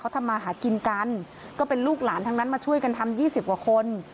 ทำมาหากินกันก็เป็นลูกหลานทั้งนั้นมาช่วยกันทำ๒๐กว่าคน